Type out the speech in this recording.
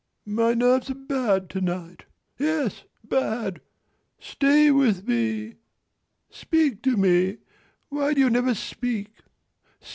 110 "My nerves are bad to night. Yes, bad. Stay with me. "Speak to me. Why do you never speak.